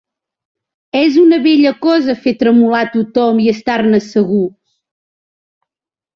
És una bella cosa fer tremolar tothom i estar-ne segur!